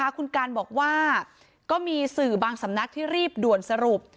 คุณการบอกว่าก็มีสื่อบางสำนักที่รีบด่วนสรุป